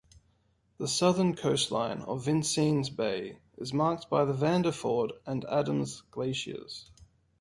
The southern coastline of Vincennes Bay is marked by the Vanderford and Adams Glaciers.